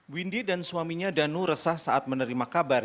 windy dan suaminya danu resah saat menerima kabar